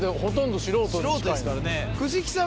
藤木さん